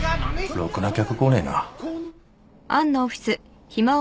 ろくな客来ねえな。